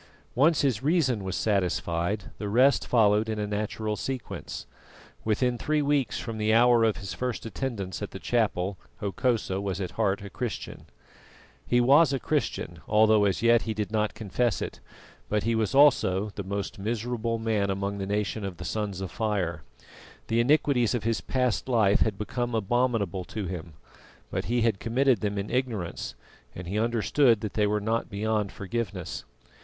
Once his reason was satisfied, the rest followed in a natural sequence. Within three weeks from the hour of his first attendance at the chapel Hokosa was at heart a Christian. He was a Christian, although as yet he did not confess it; but he was also the most miserable man among the nation of the Sons of Fire. The iniquities of his past life had become abominable to him; but he had committed them in ignorance, and he understood that they were not beyond forgiveness.